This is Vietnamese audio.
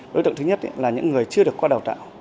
đối tượng thứ nhất là những người chưa được qua